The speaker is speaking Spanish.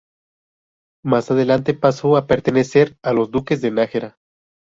Más adelante pasó a pertenecer a los duques de Nájera.